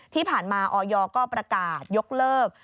ที่ผ่านมาออยก็ประกาศยกเลิก